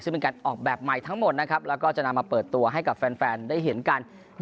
ซึ่งเป็นการออกแบบใหม่ทั้งหมดนะครับแล้วก็จะนำมาเปิดตัวให้กับแฟนได้เห็นกัน